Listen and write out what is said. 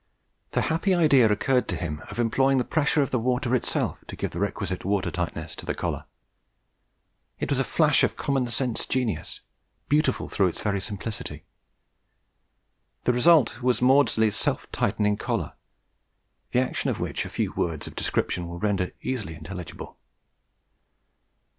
The happy idea occurred to him of employing the pressure of the water itself to give the requisite water tightness to the collar. It was a flash of common sense genius beautiful through its very simplicity. The result was Maudslay's self tightening collar, the action of which a few words of description will render easily intelligible.